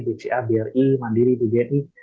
bca bri mandiri bni